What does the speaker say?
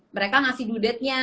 mereka ngasih due date nya